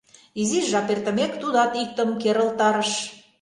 Изиш жап эртымек, тудат иктым керылтарыш.